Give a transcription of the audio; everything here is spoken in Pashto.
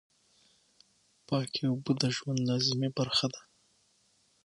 پاکې اوبه د ژوند لازمي برخه دي.